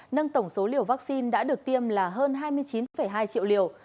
nâng tổng số liều vaccine đã được tiêm là hơn hai mươi chín hai triệu liều